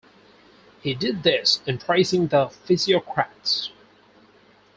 He did this in praising the Physiocrats.